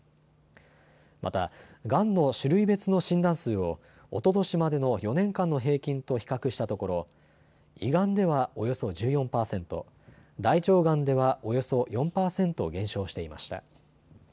また、がんの種類別の診断数をおととしまでの４年間の平均と比較したところ胃がんではおよそ１４％、大腸がんではおよそ４％減少していました。